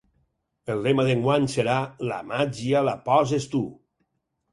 El lema d’enguany serà ‘La màgia la poses tu!’.